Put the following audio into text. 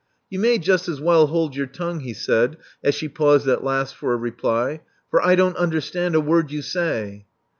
You may just as well hold your tongue," he said, as she paused at last for a reply; "for I don't under stand a word you say."